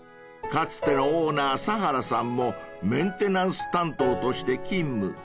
［かつてのオーナー佐原さんもメンテナンス担当として勤務］